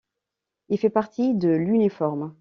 Il fait partie de l’uniforme.